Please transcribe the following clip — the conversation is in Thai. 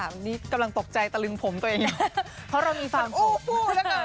วันนี้กำลังตกใจตะลึงผมตัวเองเพราะเรามีฟางผมพูดแล้วกัน